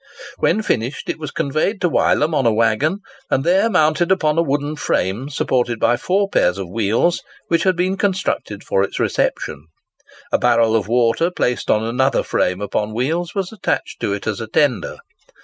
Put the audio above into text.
When finished, it was conveyed to Wylam on a waggon, and there mounted upon a wooden frame supported by four pairs of wheels, which had been constructed for its reception. A barrel of water, placed on another frame upon wheels, was attached to it as a tender.